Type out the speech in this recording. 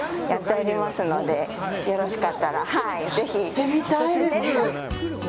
やってみたいです！